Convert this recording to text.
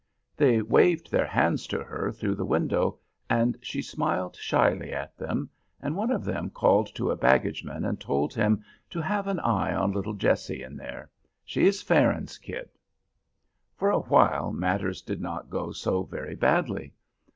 They waved their hands to her through the window and she smiled shyly at them, and one of them called to a baggage man and told him to have an eye on little Jessie in there. "She is Farron's kid." For a while matters did not go so very badly.